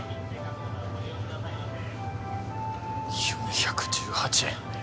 ４１８円。